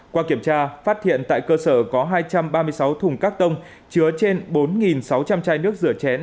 qua kiểm tra phát hiện tại cơ sở có hai trăm ba mươi sáu thùng các tông chứa trên bốn sáu trăm linh chai nước rửa chén